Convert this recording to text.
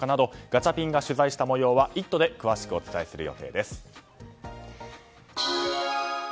ガチャピンが取材した様子は「イット！」で詳しくお伝えする予定です。